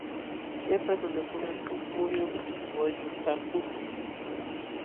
Llapa nunakunam huk muyun wañupaakuśhun.